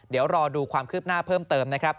เดี๋ยวรอดูความคืบหน้าเพิ่มเติมนะครับ